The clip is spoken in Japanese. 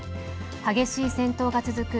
激しい戦闘が続く